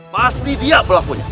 pasti dia berlakunya